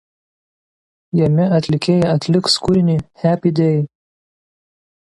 Jame atlikėja atliks kūrinį „Happy Day“.